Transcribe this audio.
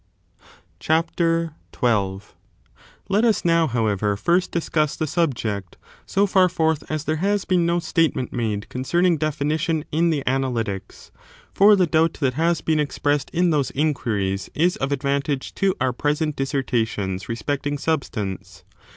CHAPTER XIL y 1. Another Let US uow, however, first discuss the subject gt^rdefi^i '^ SO &r forth as there has been no statement tion discussed, made Concerning definition in the Analytics;^ for the doubt that has been expressed in those inquiries is of advantage to our present dissertations respecting substance.